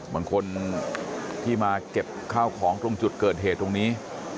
บางคนที่มาเก็บข้าวของตรงจุดเกิดเหตุตรงนี้